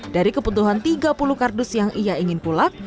dari kebutuhan tiga puluh kardus yang ia ingin pulak